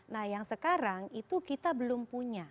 nah yang sekarang itu kita belum punya